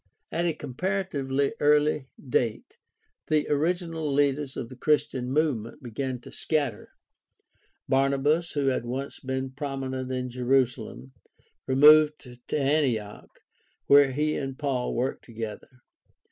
— At a com paratively early date the original leaders of the Christian movement began to scatter. Barnabas, who had once been prominent in Jerusalem, removed to Antioch where he and Paul worked together.